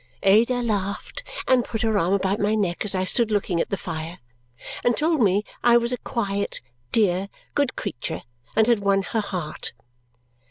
Ada laughed and put her arm about my neck as I stood looking at the fire, and told me I was a quiet, dear, good creature and had won her heart.